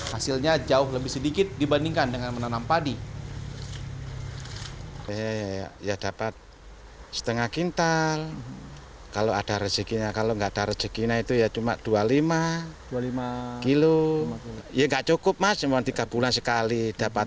hasilnya jauh lebih sedikit dibandingkan dengan menanam padi